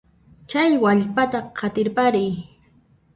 Chay wallpata qatirpariy.